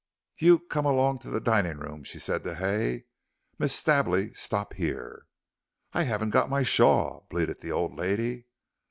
"You come along to the drawing room," she said to Hay. "Miss Stably, stop here." "I haven't got my shawl," bleated the old lady.